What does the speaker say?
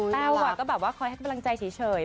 แต้วก็แบบว่าคอยให้กำลังใจเฉย